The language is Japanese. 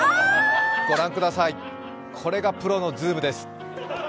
御覧ください、これがプロのズームです。